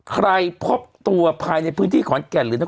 พบตัวภายในพื้นที่ขอนแก่นหรือนัก